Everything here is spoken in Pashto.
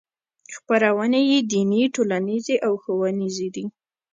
خپرونې یې دیني ټولنیزې او ښوونیزې دي.